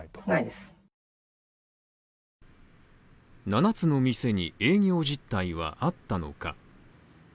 七つの店に営業実態はあったのか。